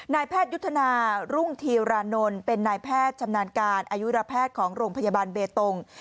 แพทยุทธนารุ่งธีรานนท์เป็นนายแพทย์ชำนาญการอายุรแพทย์ของโรงพยาบาลเบตง